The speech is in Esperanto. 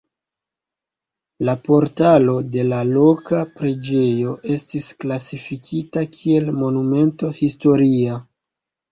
La portalo de la loka preĝejo estis klasifikita kiel Monumento historia.